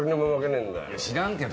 いや、知らんけど。